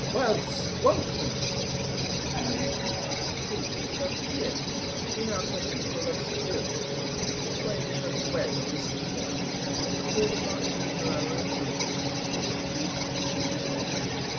"Well spoken," said the queen. "We decree that here in our cathedral of Seville you twain shall be wed on the same day, but before the Marquis of Morella and you, Sir Peter Brome, meet in single combat.